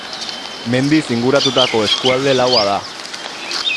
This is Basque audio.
Mendiz inguratutako eskualde laua da.